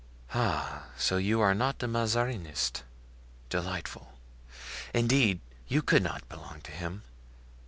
Ah! so you are not a Mazarinist? Delightful! Indeed, you could not belong to him.